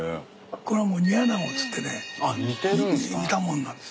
これは煮アナゴっつってね煮たものなんです。